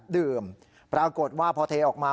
ดื่มปรากฏว่าพอเทออกมา